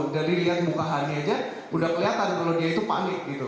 dari lihat muka hani saja sudah kelihatan kalau dia itu panik